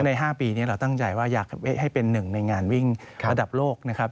๕ปีนี้เราตั้งใจว่าอยากให้เป็นหนึ่งในงานวิ่งระดับโลกนะครับ